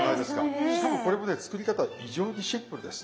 しかもこれもね作り方異常にシンプルです。